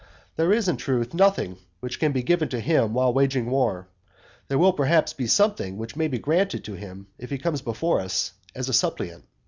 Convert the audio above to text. There is, in truth, nothing which can be given to him while waging war, there will perhaps be something which may be granted to him if he comes before us as a suppliant.